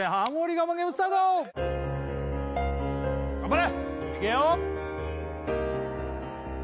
我慢ゲームスタート頑張れ！